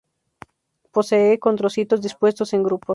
Posee condrocitos dispuestos en grupos.